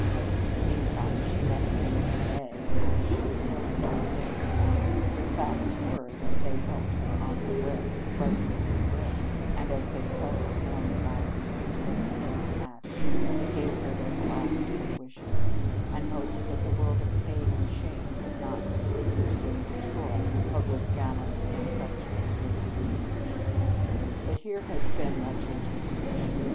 Meantime she met men every day, and whether she was willing to admit it or not, the facts were that they helped her on her way with brotherly good will, and as they saw her going about her singular and heavy tasks, they gave her their silent good wishes, and hoped that the world of pain and shame would not too soon destroy what was gallant and trustful in her. But here has been much anticipation.